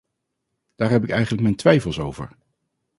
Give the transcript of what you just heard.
Daar heb ik eigenlijk mijn twijfels over.